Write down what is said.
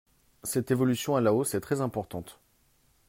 Cette évolution à la hausse est très importante.